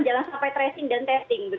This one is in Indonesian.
jangan sampai tracing dan testing